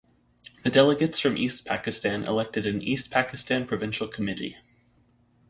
The delegates from East Pakistan elected an East Pakistan Provincial Committee.